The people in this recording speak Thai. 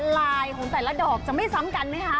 ลายของแต่ละดอกจะไม่ซ้ำกันไหมคะ